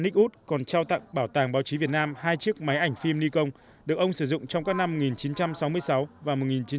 nick wood còn trao tặng bảo tàng báo chí việt nam hai chiếc máy ảnh phim nikon được ông sử dụng trong các năm một nghìn chín trăm sáu mươi sáu và một nghìn chín trăm chín mươi